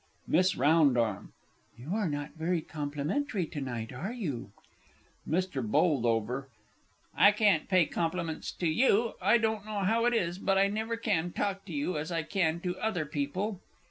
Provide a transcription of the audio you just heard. _ MISS R. You are not very complimentary to night, are you? MR. B. I can't pay compliments to you I don't know how it is, but I never can talk to you as I can to other people!